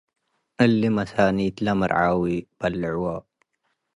እሊ መሳኒትለ መርዓዊ በልዕዎ ።